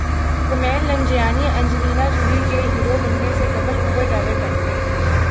Kumail Nanjiani Angelina Jolie کے hero بننے سے قبل اوبر ڈرائیور بن گئے